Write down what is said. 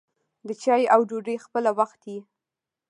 د چايو او ډوډۍ خپله وخت يي.